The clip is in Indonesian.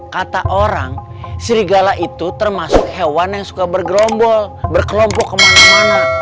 kata orang serigala itu termasuk hewan yang suka bergerombol berkelompok kemana mana